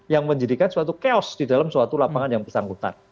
yang menjadikan suatu chaos di dalam suatu lapangan yang bersangkutan